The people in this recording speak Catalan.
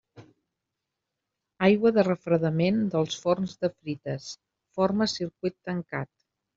Aigua de refredament dels forns de frites: forma circuit tancat.